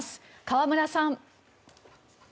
河村さん。